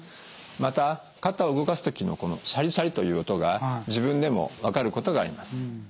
また肩を動かす時のこのシャリシャリという音が自分でも分かることがあります。